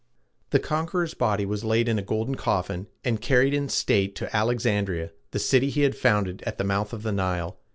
The conqueror's body was laid in a golden coffin, and carried in state to Alexandria, the city he had founded at the mouth of the Nile.